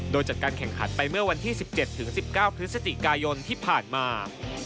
โดยจัดการแข่งขันไปเมื่อวันที่๑๗๑๙พฤศจิกายนที่ผ่านมา